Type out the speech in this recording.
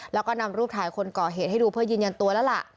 และนำรูปถ่ายคนก่อเหตุให้ดูเพื่อยืนยันตัว